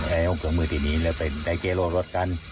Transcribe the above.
ได้เอาเกือบมือที่นี้แล้วเป็นได้เกรย์ลงรถกัน